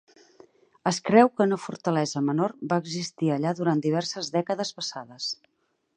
Es creu que una fortalesa menor va existir allà durant diverses dècades passades.